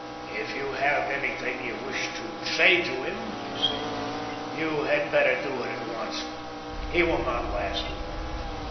"If you have anything you wish to say to him," he said, "you had better do it at once; he will not last long."